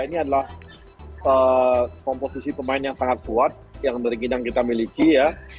ini adalah komposisi pemain yang sangat kuat yang dari kidang kita miliki ya